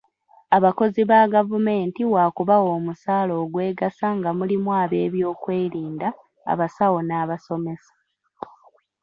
Abakozi ba gavumenti wakubawa omusaala ogwegasa nga mulimu ab'ebyokwerinda, abasawo n'abasomesa.